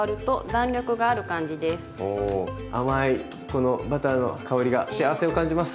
甘いこのバターの香りが幸せを感じます。